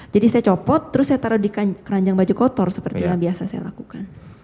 jadi saya copot terus saya taruh di keranjang baju kotor seperti yang biasa saya lakukan